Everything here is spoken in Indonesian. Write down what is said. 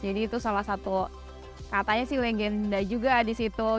jadi itu salah satu katanya sih legenda juga di situ